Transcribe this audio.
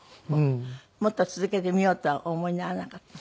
もっと続けてみようとはお思いにならなかった？